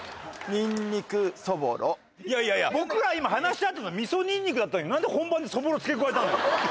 僕ら今話し合ったのみそニンニクだったのに何で本番で「そぼろ」付け加えたんだよ。